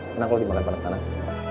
senang kalau dimakan panas panas